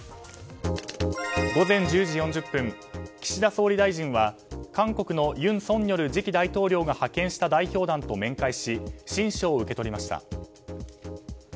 午前１０時４０分岸田総理大臣は韓国の尹錫悦次期大統領が派遣した代表団と面会し親書を受け取りました。